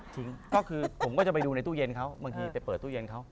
ทิ้งก็คือผมก็จะไปดูในตู้เย็นเขาบางทีไปเปิดตู้เย็นเขา